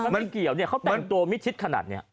ไม่เกี่ยวเขาแต่งตัวมิทชิตขนาดนี้